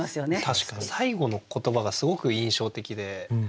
確かに最後の言葉がすごく印象的で。